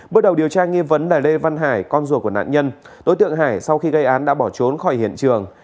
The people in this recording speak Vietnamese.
bước đầu điều tra nghi vấn là lê văn hải con rùa của nạn nhân đối tượng hải sau khi gây án đã bỏ trốn khỏi hiện trường